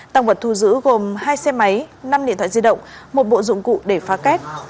tăng vật thu giữ gồm hai xe máy năm điện thoại di động một bộ dụng cụ để phá kết